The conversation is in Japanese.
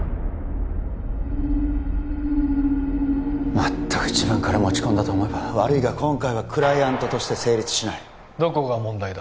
まったく自分から持ち込んだと思えば悪いが今回はクライアントとして成立しないどこが問題だ？